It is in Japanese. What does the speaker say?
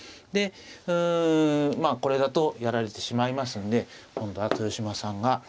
でうんこれだとやられてしまいますんで今度は豊島さんが。